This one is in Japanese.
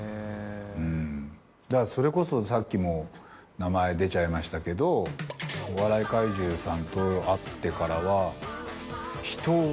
うんだからそれこそさっきも名前出ちゃいましたけどお笑い怪獣さん。